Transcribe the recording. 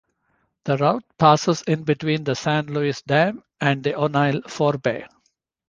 The route passes in between the San Luis Dam and the O'Neill Forebay.